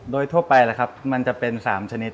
โดยทั่วไปนะครับมันจะเป็น๓ชนิด